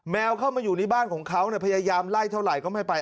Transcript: เข้ามาอยู่ในบ้านของเขาพยายามไล่เท่าไหร่ก็ไม่ไป